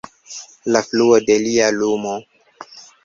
La fluo de dia lumo.